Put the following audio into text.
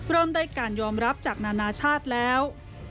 เริ่มได้การยอมรับจากนานาชาติแล้ว